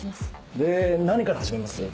で何から始めます？